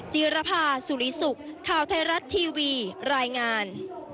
จีรภาสุริสุขข่าวไทยรัฐทีวีรายงาน